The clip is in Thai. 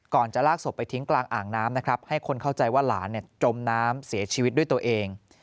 จะลากศพไปทิ้งกลางอ่างน้ำนะครับให้คนเข้าใจว่าหลานจมน้ำเสียชีวิตด้วยตัวเอง